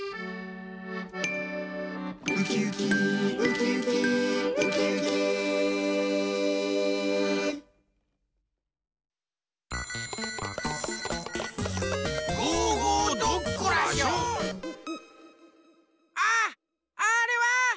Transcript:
ウキウキウキウキウキウキあっあれは！